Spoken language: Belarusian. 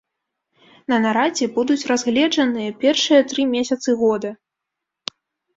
На нарадзе будуць разгледжаныя першыя тры месяцы года.